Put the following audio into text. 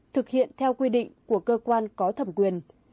thực hiện theo quy định của cơ quan có thẩm quyền